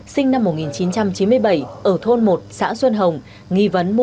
sinh năm một nghìn chín trăm chín mươi bảy ở thôn một xã xuân hồng